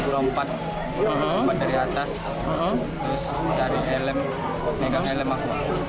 lompat lompat dari atas terus cari helm pegang helm aku